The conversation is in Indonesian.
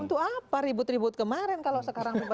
untuk apa ribut ribut kemarin kalau sekarang tiba tiba